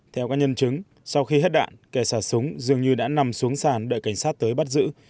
theo các nhân chứng sau khi hết đạn kẻ xả súng dường như đã nằm xuống sàn đợi cảnh sát tới bắt giữ